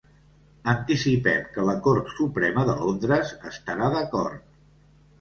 Anticipem que la Cort Suprema de Londres estarà d'acord.